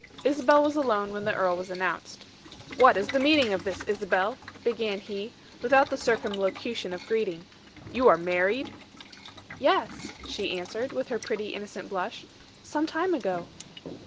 Isabel was alone when the earl was announced. "What is the meaning of this, Isabel?" began he, without the circumlocution of greeting. "You are married?" "Yes," she answered, with her pretty, innocent blush. "Some time ago."